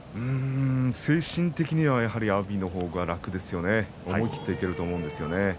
精神的には、やはり阿炎の方が楽ですよね思い切っていけると思うんですよね。